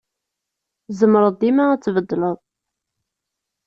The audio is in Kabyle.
Tzemreḍ dima ad tbeddeleḍ.